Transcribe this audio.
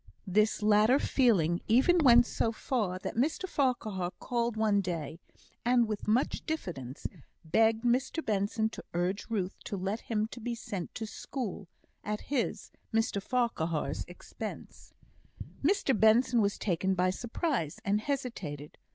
This latter feeling even went so far that Mr Farquhar called one day, and with much diffidence begged Mr Benson to urge Ruth to let him be sent to school at his (Mr Farquhar's) expense. Mr Benson was taken by surprise, and hesitated.